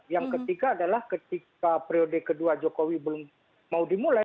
yang ketiga adalah ketika periode kedua jokowi belum mau dimulai